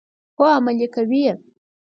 هو، عملي کوي یې.